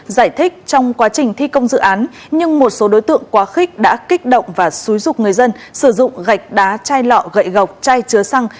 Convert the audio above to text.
giải thích trong quá trình thi công dự án nhưng một số đối tượng quá khích đã kích động và xúi dục người dân sử dụng gạch đá chai lọ gậy gọc chai chứa xăng